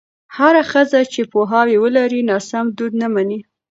هره ښځه چې پوهاوی ولري، ناسم دود نه مني.